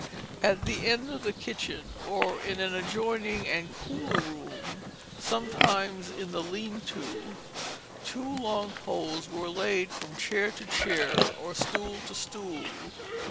At the end of the kitchen or in an adjoining and cooler room, sometimes in the lean to, two long poles were laid from chair to chair or stool to stool.